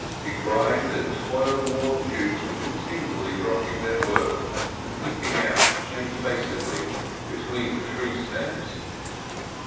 Begrimed and toil worn Jews were continually dropping their work and peeping out shamefacedly between the tree stems.